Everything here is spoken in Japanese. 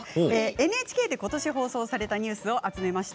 ＮＨＫでことし放送されたニュースを集めました。